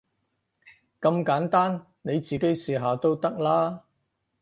咁簡單，你自己試下都得啦